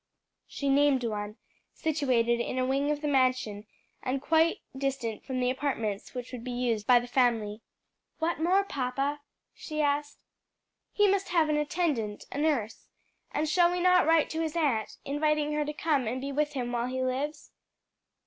She named one situated in a wing of the mansion, and quite distant from the apartments which would be used by the family. "What more, papa?" she asked. "He must have an attendant a nurse. And shall we not write to his aunt, inviting her to come and be with him while he lives?